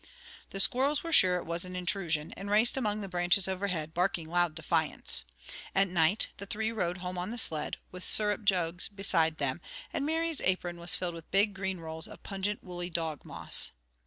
The squirrels were sure it was an intrusion, and raced among the branches overhead, barking loud defiance. At night the three rode home on the sled, with the syrup jugs beside them, and Mary's apron was filled with big green rolls of pungent woolly dog moss.